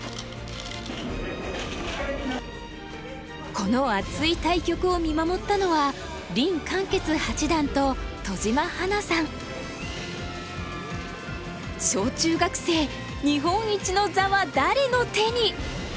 この熱い対局を見守ったのは小中学生日本一の座は誰の手に？